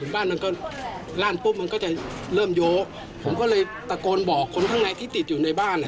บ้านมันก็ลั่นปุ๊บมันก็จะเริ่มโยผมก็เลยตะโกนบอกคนข้างในที่ติดอยู่ในบ้านอ่ะ